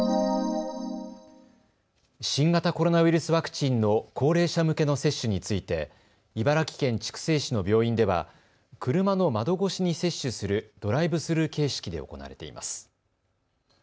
新型コロナウイルスワクチンの高齢者向けの接種について茨城県筑西市の病院では車の窓越しに接種するドライブスルー形式で行われています。